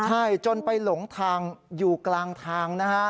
ใช่จนไปหลงทางอยู่กลางทางนะฮะ